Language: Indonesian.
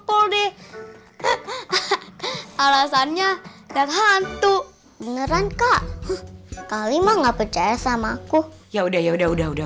polsi alasannya dan hantu beneran kak kalimah nggak percaya sama aku ya udah ya udah udah udah